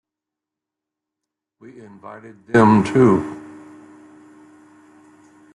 We invited them to.